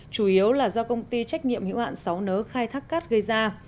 chủ yếu là do công ty trách nhiệm hữu hạn sáu nớ khai thác cát gây ra